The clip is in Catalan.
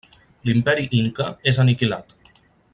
L'imperi Inca és aniquilat.